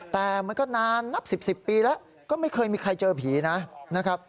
แต่มันก็นานนับ๑๐ปีแล้วก็ไม่เคยมีใครเจอผีนะครับ